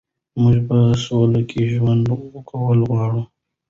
موږ په سوله کې ژوند کول غواړو.